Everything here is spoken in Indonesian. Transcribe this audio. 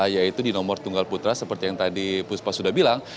yaitu di nomor tunggal putra seperti yang tadi puspa sudah bilang